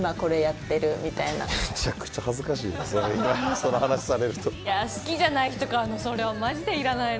その話されると。